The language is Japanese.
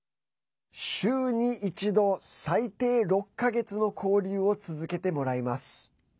週に一度、最低６か月の交流を続けてもらいます。